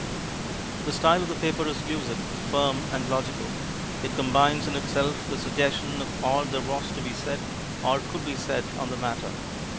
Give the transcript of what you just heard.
The style of the paper is lucid, firm and logical; it combines in itself the suggestion of all there was to be said or could be said on the matter.